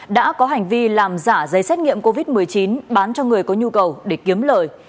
đã có hành vi làm giả giấy xét nghiệm covid một mươi chín bán cho người có nhu cầu để kiếm lời